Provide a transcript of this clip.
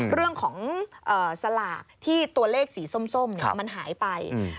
เรื่องของสลากที่ตัวเลขสีส้มมันหายไป